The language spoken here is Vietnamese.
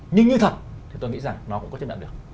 nhưng như thật thì tôi nghĩ rằng nó cũng có chất lượng được